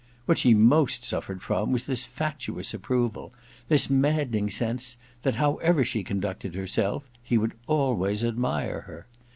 What she most suffered from was this fatuous approval : the maddening sense that, however she conducted herself, he would always admire her.